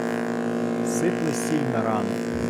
Сипле сіль на рану.